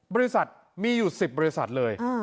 บริษัทมีอยู่๑๐บริษัทเลย